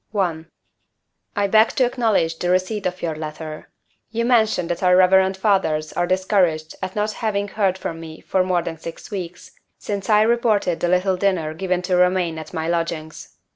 _ I. I BEG to acknowledge the receipt of your letter. You mention that our Reverend Fathers are discouraged at not having heard from me for more than six weeks, since I reported the little dinner given to Romayne at my lodgings.